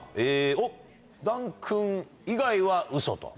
おっ檀君以外はウソと。